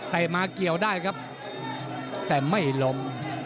แต่มาเกี่ยวได้ครับแต่ไม่ล้ม